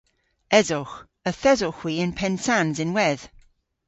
Esowgh. Yth esowgh hwi yn Pennsans ynwedh.